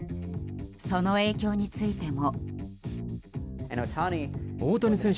その影響についても。